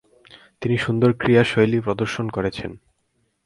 তিনি সুন্দর ক্রীড়াশৈলী প্রদর্শন করেছেন।